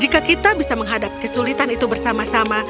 jika kita bisa menghadapi kesulitan itu bersama sama